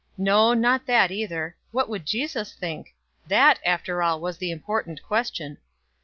No, not that either. What would Jesus think? that, after all, was the important question.